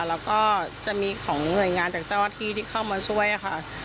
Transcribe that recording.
แล้วก็จะมีของหน่วยงานจากเจ้าหน้าที่ที่เข้ามาช่วยค่ะ